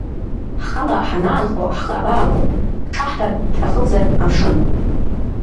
Ҳхала ҳанаанхо ҳхы абааго, ҳҽаҳҭар ҳҭахымзар амшын?!